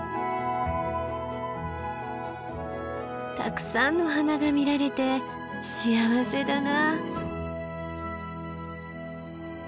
たくさんの花が見られて幸せだな。